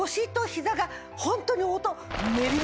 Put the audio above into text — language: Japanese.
ホントに音。